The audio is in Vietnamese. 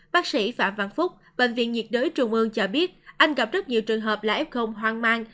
bác sĩ phạm văn phúc bệnh viện nhiệt đới trung ương cho biết anh gặp rất nhiều trường hợp là f hoang mang